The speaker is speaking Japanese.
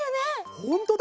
ほんとだ！